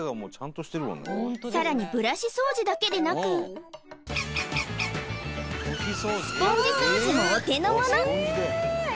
さらにブラシ掃除だけでなくスポンジ掃除もお手のもの！